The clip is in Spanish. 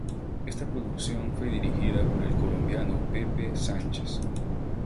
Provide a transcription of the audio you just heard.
Esta producción fue dirigida por el colombiano Pepe Sánchez.